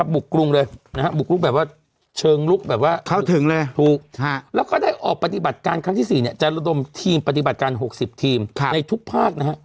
บุกกรุงเลยบุกลุกแบบว่าเชิงลุกแบบว่าเข้าถึงเลยถูกแล้วก็ได้ออกปฏิบัติการครั้งที่๔จะระดมทีมปฏิบัติการ๖๐ทีมในทุกภาคนะฮะ